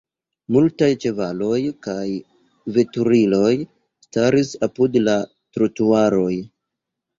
Multaj ĉevaloj kaj veturiloj staris apud la trotuaroj.